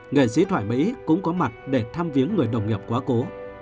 nghệ sĩ thoại mỹ cũng có mặt để thăm viếng người đồng nghiệp quá cố